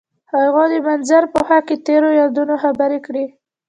هغوی د منظر په خوا کې تیرو یادونو خبرې کړې.